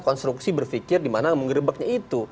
konstruksi berpikir di mana mengerebeknya itu